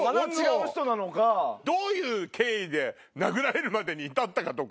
どういう経緯で殴られるまでに至ったかとか。